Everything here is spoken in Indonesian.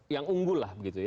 yang unggul lah